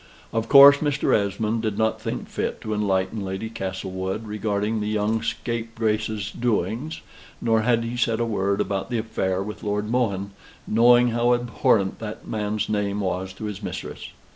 Of course, Mr. Esmond did not think fit to enlighten Lady Castlewood regarding the young scapegrace's doings: nor had he said a word about the affair with Lord Mohun, knowing how abhorrent that man's name was to his mistress.